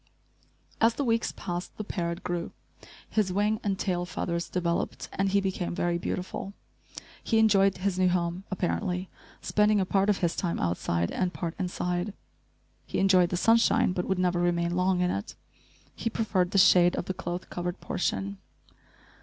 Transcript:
As the weeks passed, the parrot grew, his wing and tail feathers developed, and he became very beautiful. He enjoyed his new home, apparently, spending a part of his time outside, and part inside. He enjoyed the sunshine, but would never remain long in it. He preferred the shade of the cloth covered portion.